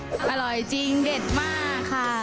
อร่อยจริงเด็ดมากค่ะ